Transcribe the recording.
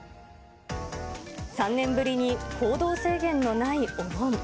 ３年ぶりに行動制限のないお盆。